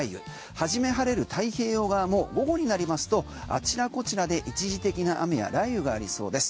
初め晴れる太平洋側も午後になりますとあちらこちらで一時的な雨や雷雨がありそうです。